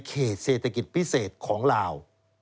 เขตเศรษฐกิจพิเศษของลาว